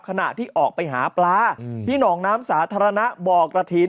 ขณะที่ออกไปหาปลาที่หนองน้ำสาธารณะบ่อกระถิ่น